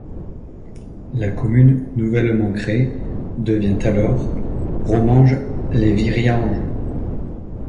La commune nouvellement créée devient alors Romange-lès-Vriange.